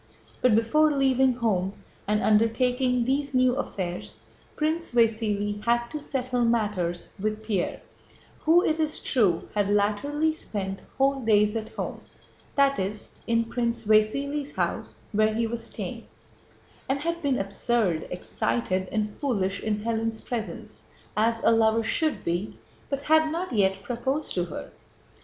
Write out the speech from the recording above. But before leaving home and undertaking these new affairs, Prince Vasíli had to settle matters with Pierre, who, it is true, had latterly spent whole days at home, that is, in Prince Vasíli's house where he was staying, and had been absurd, excited, and foolish in Hélène's presence (as a lover should be), but had not yet proposed to her.